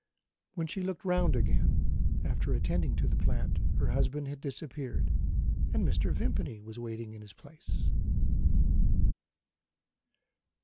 When she looked round again, after attending to the plant, her husband had disappeared, and Mr. Vimpany was waiting in his place.